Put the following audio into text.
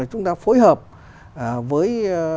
chúng ta phối hợp với